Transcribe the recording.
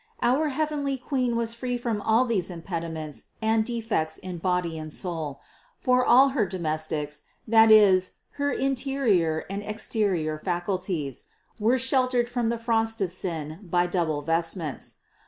Our heavenly Queen was free from all these impediments and defects in body and soul; for all her domestics, that is her interior and exterior faculties, were sheltered from the frost of sin by double vestments.